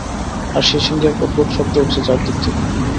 আর সেইসঙ্গে এক অদ্ভুত শব্দ উঠছে চারদিক থেকে।